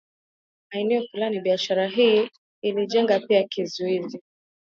maeneo fulani biashara hii ilijenga pia kizuizi